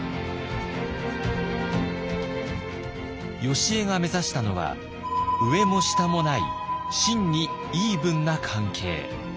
よしえが目指したのは上も下もない真にイーブンな関係。